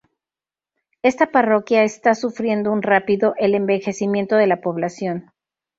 Esta parroquia está sufriendo un rápido el envejecimiento de la población.